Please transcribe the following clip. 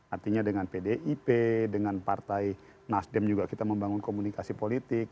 artinya dengan pdip dengan partai nasdem juga kita membangun komunikasi politik